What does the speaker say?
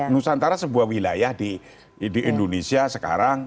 nusantara sebuah wilayah di indonesia sekarang